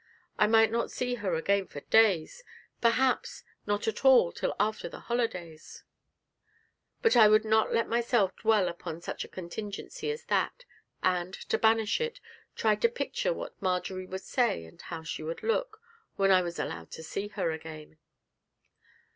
I might not see her again for days, perhaps not at all till after the holidays; but I would not let myself dwell upon such a contingency as that, and, to banish it, tried to picture what Marjory would say, and how she would look, when I was allowed to see her again.